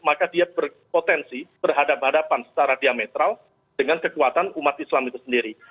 maka dia berpotensi berhadapan hadapan secara diametral dengan kekuatan umat islam itu sendiri